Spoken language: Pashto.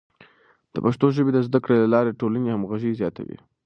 د پښتو ژبې د زده کړې له لارې د ټولنې همغږي زیاتوي.